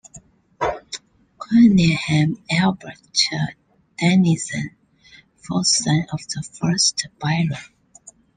Conyngham Albert Denison, fourth son of the first Baron.